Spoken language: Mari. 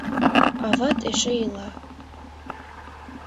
— Ават эше ила.